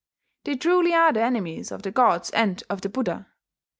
They truly are the enemies of the gods and of the Buddha....